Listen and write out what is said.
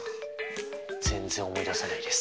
全然思い出せないです。